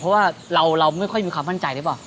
เพราะว่าเราไม่ค่อยมีความมั่นใจหรือเปล่า